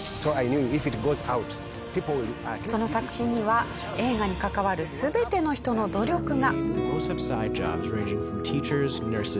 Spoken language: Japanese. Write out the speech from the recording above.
その作品には映画に関わる全ての人の努力が。